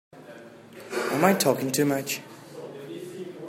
Am I talking too much?